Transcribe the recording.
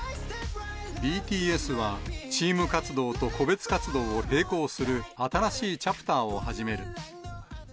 ＢＴＳは、チーム活動と個別活動を並行する新しいチャプターを始める。